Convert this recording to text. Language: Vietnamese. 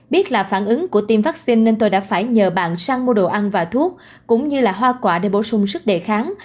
biết là phản ứng của tiêm vaccine nên tôi đã phải nhờ bạn sang mua đồ ăn và thuốc cũng như là hoa quả để bổ sung sức đề kháng